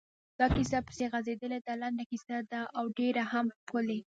دا کیسه پسې غځېدلې ده، لنډه کیسه ده او ډېره هم ښکلې.